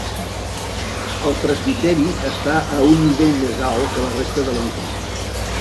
El presbiteri està a un nivell més alt que la resta de l'edifici.